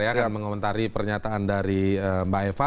karena mengomentari pernyataan dari mbak eva